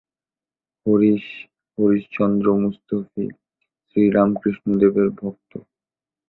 হরিশ হরিশচন্দ্র মুস্তফী, শ্রীরামকৃষ্ণদেবের ভক্ত।